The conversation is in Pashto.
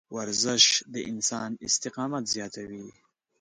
ورزش د انسان استقامت زیاتوي.